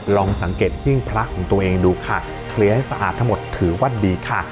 ลองสังเกตหิ้งพระของตัวเองดูค่ะเคลียร์ให้สะอาดทั้งหมดถือว่าดีค่ะ